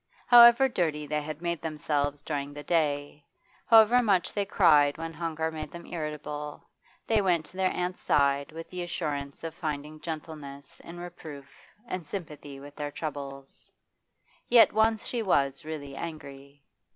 However dirty they had made, themselves during the day, however much they cried when hunger made them irritable, they went to their aunt's side with the assurance of finding gentleness in reproof and sympathy with their troubles. Yet once she was really angry.